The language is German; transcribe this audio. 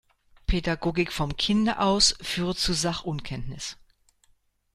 Pädagogik vom Kinde aus führe zu Sach-Unkenntnis.